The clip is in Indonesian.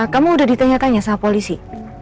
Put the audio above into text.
kamu udah ditanya tanya sama polisi